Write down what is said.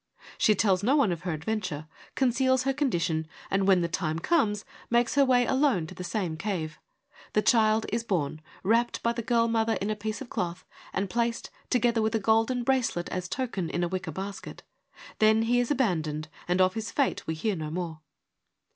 She tells no one of her adventure, conceals her condition and when her time comes, makes her way alone to the same cave. The child is born, wrapped by the girl mother in a piece of cloth, and placed, together with a golden bracelet as token, in a wicker basket. Then he is abandoned, and of his fate we hear no more.